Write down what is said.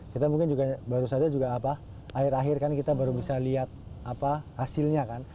kita mungkin juga baru saja juga akhir akhir kan kita baru bisa lihat hasilnya kan